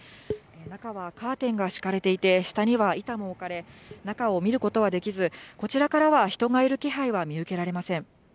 中はカーテンが引かれていて下には板も置かれ、中を見ることはできず、こちらからは人がいる気配は見受けられません。